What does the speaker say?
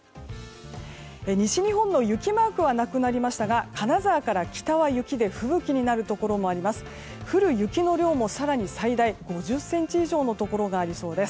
西日本の雪マークはなくなりましたが金沢から北は雪で吹雪になるところもあります。